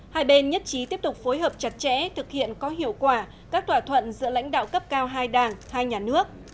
hai bên nhất trí tiếp tục phối hợp chặt chẽ thực hiện có hiệu quả các thỏa thuận giữa lãnh đạo cấp cao hai đảng hai nhà nước